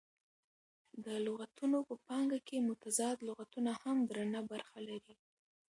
د لغتونه په پانګه کښي متضاد لغتونه هم درنه برخه لري.